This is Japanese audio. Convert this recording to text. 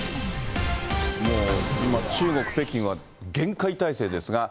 もう今、中国・北京は厳戒態勢ですが。